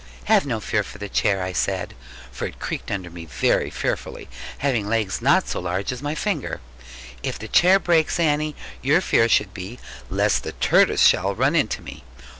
'Have no fear for the chair,' I said, for it creaked under me very fearfully, having legs not so large as my finger; 'if the chair breaks, Annie, your fear should be, lest the tortoise shell run into me.